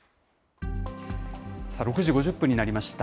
６時５０分になりました。